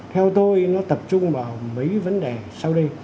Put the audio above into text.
theo tôi nó tập trung vào mấy vấn đề sau đây